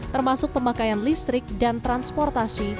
termasuk pemakaian listrik dan transportasi